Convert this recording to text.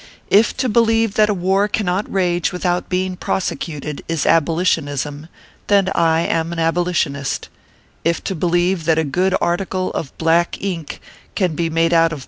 If to believe that a war cannot rage without being prosecuted, is abolitionism, then I am an abolitionist ; if to believe that a good article of black ink can be made out of 9* 102 ORPHEUS C. KERR PAPERS.